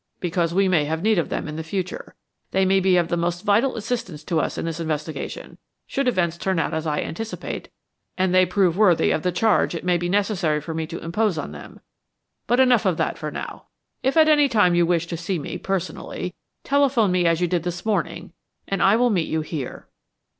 "Because we may have need of them in the future. They may be of the most vital assistance to us in this investigation, should events turn out as I anticipate and they prove worthy of the charge it may be necessary for me to impose on them. But enough of that for now. If at any time you wish to see me, personally, telephone me as you did this morning and I will meet you here."